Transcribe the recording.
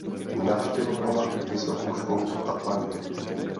Navštěvovala vysokou školu v Atlantě.